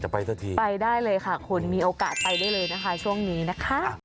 ไปได้เลยค่ะมีโอกาสไปได้เลยนะคะช่วงนี้นะคะ